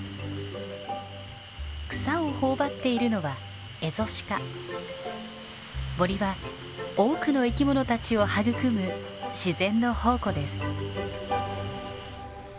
草を頬張っているのは森は多くの生き物たちを育む自然の宝庫です。